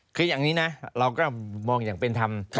คืออย่างนี้นะเราก็มองอย่างเป็นธรรม